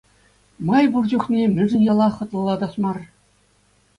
Май пур чухне мӗншӗн яла хӑтлӑлатас мар?